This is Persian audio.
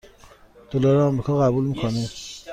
دلار آمریکا قبول می کنید؟